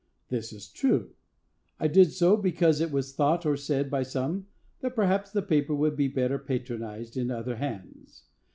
This is true; I did so because it was thought or said by some that perhaps the paper would be better patronized in other hands.